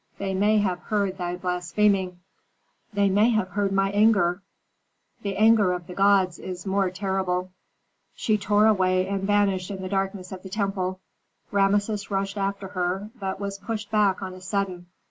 They may have heard thy blaspheming." "They may have heard my anger." "The anger of the gods is more terrible." She tore away and vanished in the darkness of the temple. Rameses rushed after her, but was pushed back on a sudden.